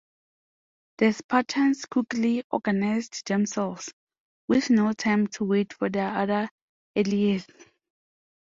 The Spartans quickly organized themselves, with no time to wait for their other allies.